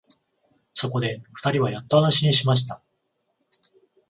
そこで二人はやっと安心しました